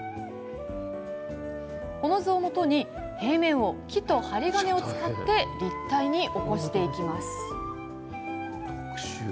この図をもとに平面を木と針金で立体に起こしていきます。